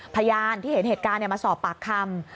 พยานที่เห็นเหตุการณ์มาสอบปากคำ